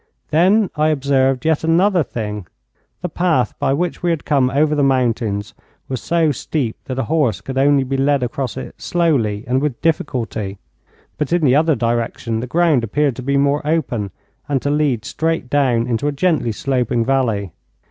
Then I observed yet another thing. The path by which we had come over the mountains was so steep that a horse could only be led across it slowly and with difficulty, but in the other direction the ground appeared to be more open, and to lead straight down into a gently sloping valley.